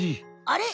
あれ？